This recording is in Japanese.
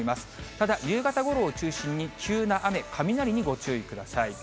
ただ、夕方ごろを中心に急な雨、雷にご注意ください。